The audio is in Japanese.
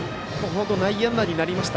内野安打になりました。